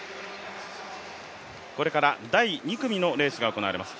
これから第２組のレースが行われます。